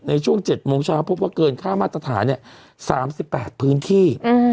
ในช่วง๗โมงเช้าพบว่าเกินค่ามาตรฐาน๓๘พื้นที่